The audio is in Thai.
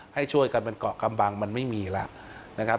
ให้ช่วยกันเป็นเกาะกำบังมันไม่มีแล้วนะครับ